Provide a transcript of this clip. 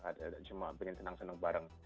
ada cuma pengen tenang senang bareng